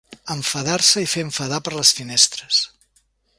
Enfadar-se i fer enfadar per les finestres.